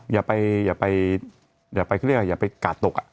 อย่าไปเครียร์อย่าไปกาดตก